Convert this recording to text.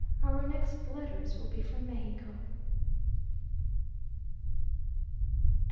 Our next letters will be from Mexico.